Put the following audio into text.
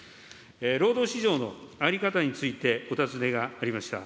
労働市場の在り方について、お尋ねがありました。